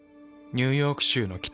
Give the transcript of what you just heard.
ニューヨーク州の北。